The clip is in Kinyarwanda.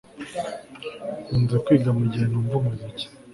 Nkunze kwiga mugihe numva umuziki